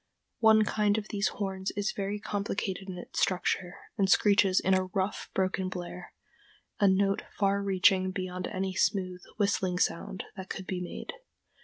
One kind of these horns is very complicated in its structure, and screeches in a rough, broken blare, a note far reaching beyond any smooth, whistling sound that could be made.